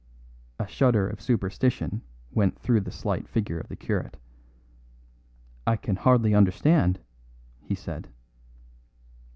A shudder of superstition went through the slight figure of the curate. "I can hardly understand," he said.